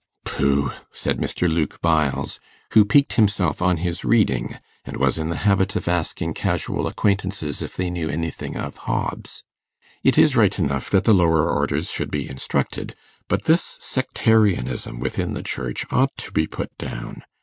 'Pooh!' said Mr. Luke Byles, who piqued himself on his reading, and was in the habit of asking casual acquaintances if they knew anything of Hobbes; 'it is right enough that the lower orders should be instructed. But this sectarianism within the Church ought to be put down.